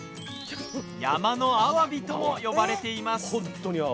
山のあわびとも呼ばれています。